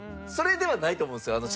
それではないと思うんですよ。